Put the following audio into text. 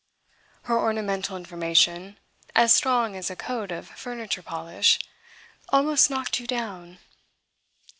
Her ornamental information as strong as a coat of furniture polish almost knocked you down.